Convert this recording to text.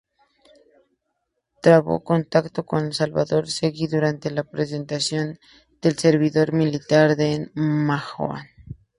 Trabó contacto con Salvador Seguí durante la prestación del servicio militar en Mahón.